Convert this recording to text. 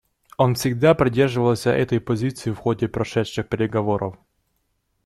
Он всегда придерживался этой позиции в ходе прошедших переговоров.